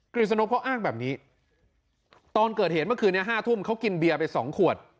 ฤษณกเขาอ้างแบบนี้ตอนเกิดเหตุเมื่อคืนนี้๕ทุ่มเขากินเบียร์ไป๒ขวด